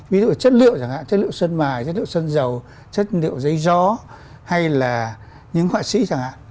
ví dụ chất liệu chẳng hạn chất liệu sơn mài chất liệu sơn dầu chất liệu giấy gió hay là những họa sĩ chẳng hạn